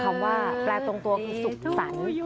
คำว่าแปลตรงตัวคือสุขสรรค์